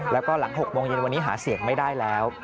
แล้วก็หลัง๖โมงเย็นวันนี้หาเสียงไม่ได้แล้ว